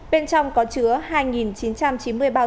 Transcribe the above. bên trong có chứa hai chín trăm chín mươi bao